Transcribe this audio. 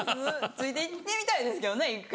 ついていってみたいですけどね一回。